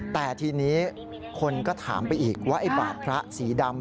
แต่ทีนี้คนก็ถามไปอีกว่าไอ้บาดพระสีดำ